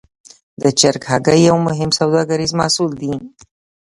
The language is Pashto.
د چرګ هګۍ یو مهم سوداګریز محصول دی.